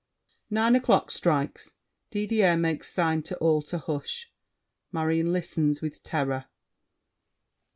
[Nine o'clock strikes. Didier makes sign to all to hush. Marion listens with terror.